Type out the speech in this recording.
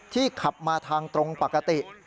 ขับมาทางตรงปกติ